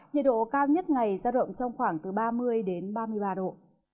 nhiệt độ cao nhất ngày giao động trong khoảng từ ba mươi đến ba mươi ba độ